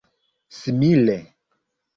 simile